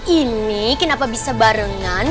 ini kenapa bisa barengan